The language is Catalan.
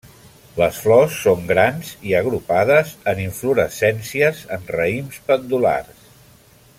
Les flors són grans i agrupades en inflorescències en raïms pendulars.